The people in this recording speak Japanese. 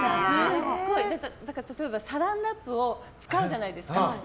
例えば、サランラップを使うじゃないですか。